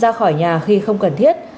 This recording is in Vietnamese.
ra khỏi nhà khi không cần thiết